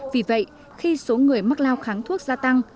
vì vậy khi số người mắc lao kháng thuốc gia tăng